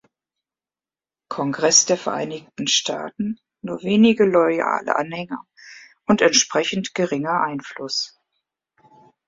Kongress der Vereinigten Staaten nur wenige loyale Anhänger und entsprechend geringen Einfluss.